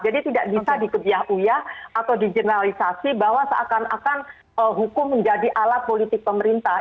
jadi tidak bisa dikebiah uya atau dijeneralisasi bahwa seakan akan hukum menjadi alat politik pemerintah